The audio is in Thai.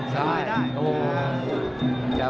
สายได้